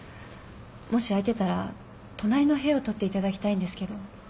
もし空いてたら隣の部屋を取っていただきたいんですけど。